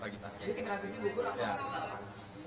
jadi transisi berubah